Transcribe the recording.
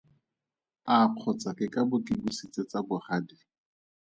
A kgotsa ke ka bo ke busitse tsa bogadi?